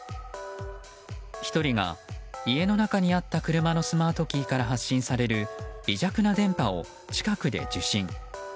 １人が家の中にあった車のスマートキーから発信される微弱な電波を近くで受信。